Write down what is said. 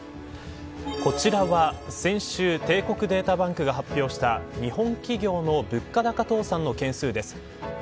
こちらは先週帝国データバンクが発表した日本企業の物価高倒産の係数です。